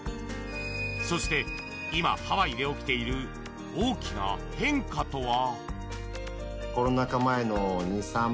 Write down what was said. そして今、ハワイで起きている大きな変化とは？